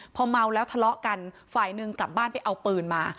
พอเมาแล้วทะเลาะกันฝ่ายหนึ่งกลับบ้านไปเอาปืนมา